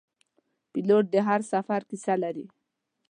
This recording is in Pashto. پیلوټ د هر سفر کیسه لري.